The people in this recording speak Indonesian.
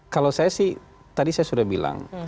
kalau saya sih tadi saya sudah bilang